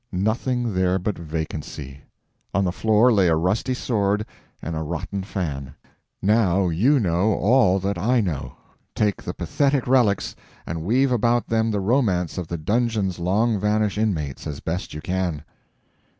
Nothing there but vacancy! On the floor lay a rusty sword and a rotten fan. Now you know all that I know. Take the pathetic relics, and weave about them the romance of the dungeon's long vanished inmates as best you can.